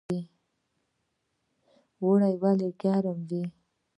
اوړی ولې ګرم وي؟